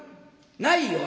ないよ